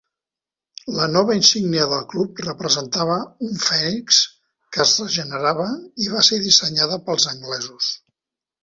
La nova insígnia del club representava un fènix que es regenerava i va ser dissenyada pels anglesos.